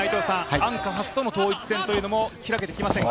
アンカハスとの統一戦も開けてきませんか？